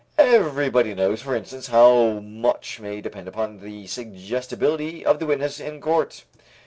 Everybody knows for instance how much may depend upon the suggestibility of the witness in court.